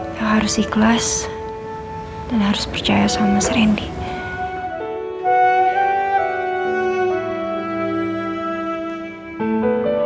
lo harus ikhlas dan harus percaya sama mas randy